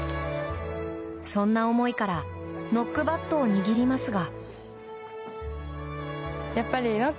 そんな思いからノックバットを握りますが。